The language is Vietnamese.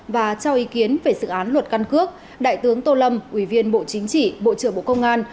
và cho ý kiến về dự án luật căn cước đại tướng tô lâm ủy viên bộ chính trị bộ trưởng bộ công an